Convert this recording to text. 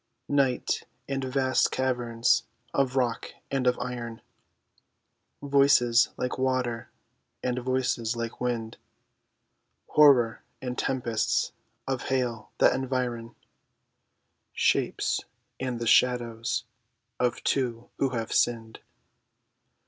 _ Night and vast caverns of rock and of iron; Voices like water, and voices like wind; Horror and tempests of hail that environ Shapes and the shadows of two who have sinned.